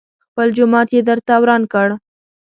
خپل جومات يې درته وران کړ.